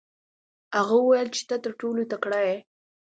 هغه وویل چې ته تر ټولو تکړه یې.